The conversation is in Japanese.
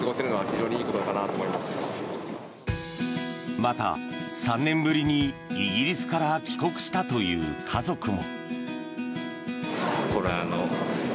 また、３年ぶりにイギリスから帰国したという家族も。